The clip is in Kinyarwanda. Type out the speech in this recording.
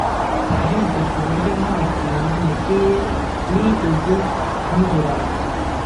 byose ku buryo nta kintu nakimwe nigeze nyiburana